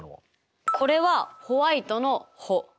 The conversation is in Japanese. これはホワイトの「ホ」。